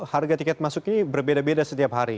harga tiket masuk ini berbeda beda setiap hari